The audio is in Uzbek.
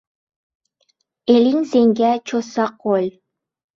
Eling senga cho'zsa qo'l